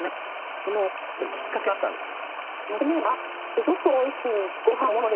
その何かきっかけがあったんですか？